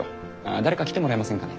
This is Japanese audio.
誰か来てもらえませんかね？